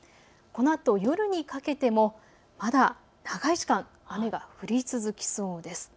このあと夜にかけてもまだ長い時間、雨が降り続きそうです。